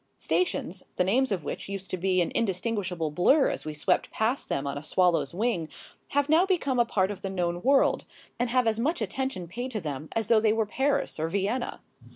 Stations, the names of which used to be an indistinguishable blur as we swept past them as on a swallow's wing, have now become a part of the known world, and have as much attention paid to them as though they were Paris or Vienna.